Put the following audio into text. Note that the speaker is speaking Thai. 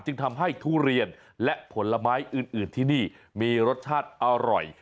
จึงทำให้ทุเรียนและผลไม้อื่นที่นี่มีรสชาติอร่อย